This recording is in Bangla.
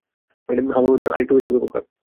আমার মতে আরেকটু বেশি হবে, খোকা।